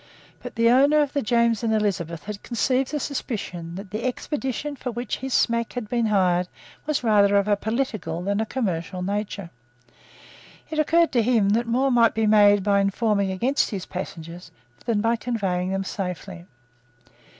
But the owner of the James and Elizabeth had conceived a suspicion that the expedition for which his smack had been hired was rather of a political than of a commercial nature. It occurred to him that more might be made by informing against his passengers than by conveying them safely.